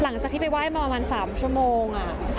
หลังจากที่ไปไหว้มาประมาณ๓ชั่วโมง